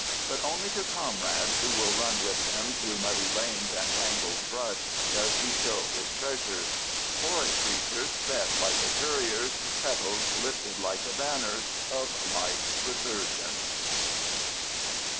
But only to comrades who will run with him through muddy lanes and tangled brush does he show his treasures: forest creatures sped like the couriers, petals lifted like the banners, of life resurgent.